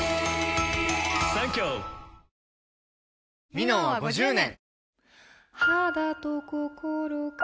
「ミノン」は５０年！